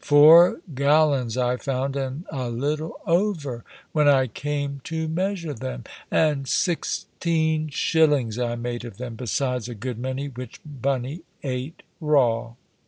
Four gallons I found, and a little over, when I came to measure them; and sixteen shillings I made of them, besides a good many which Bunny ate raw.